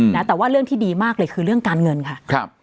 นะแต่ว่าเรื่องที่ดีมากเลยคือเรื่องการเงินค่ะครับ